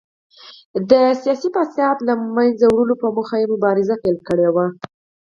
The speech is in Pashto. د سیاسي فساد له منځه وړلو په موخه مبارزه پیل کړې وه.